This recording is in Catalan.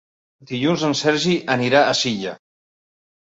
Dilluns en Sergi anirà a Silla.